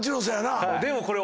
でもこれ。